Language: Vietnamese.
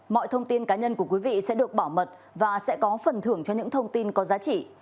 mọi thông tin cá nhân của quý vị sẽ được bảo mật và sẽ có phần thưởng cho những thông tin có giá trị